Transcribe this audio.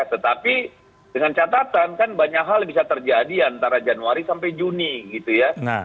tetapi dengan catatan kan banyak hal bisa terjadi antara januari sampai juni gitu ya